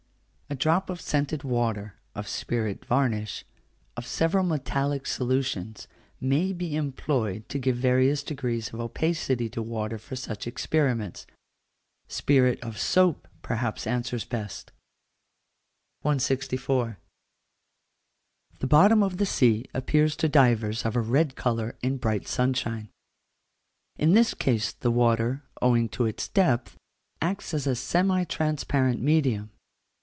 A drop of scented water, of spirit varnish, of several metallic solutions, may be employed to give various degrees of opacity to water for such experiments. Spirit of soap perhaps answers best. 164. The bottom of the sea appears to divers of a red colour in bright sunshine: in this case the water, owing to its depth, acts as a semi transparent medium.